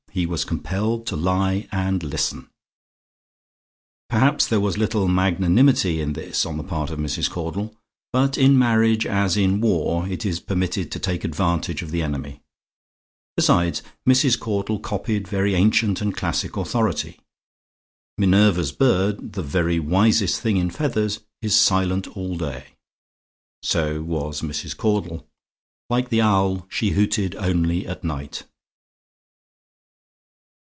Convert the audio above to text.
He was compelled to lie and listen. Perhaps there was little magnanimity in this on the part of Mrs. Caudle; but in marriage, as in war, it is permitted to take every advantage of the enemy. Besides, Mrs. Caudle copied very ancient and classic authority. Minerva's bird, the very wisest thing in feathers, is silent all the day. So was Mrs. Caudle. Like the owl, she hooted only at night.